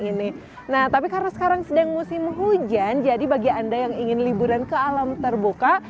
ini nah tapi karena sekarang sedang musim hujan jadi bagi anda yang ingin liburan ke alam terbuka